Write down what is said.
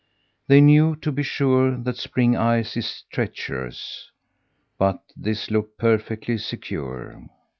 They knew, to be sure, that spring ice is treacherous, but this looked perfectly secure.